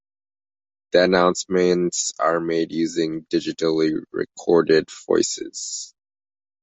The announcements are made using digitally recorded voices.